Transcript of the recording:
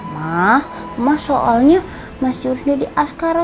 mama soalnya masih udah diaskara